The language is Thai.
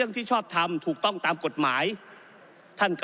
ก็ได้มีการอภิปรายในภาคของท่านประธานที่กรกครับ